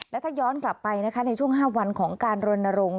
และถ้าย้อนกลับไปนะคะในช่วง๕วันของการรณรงค์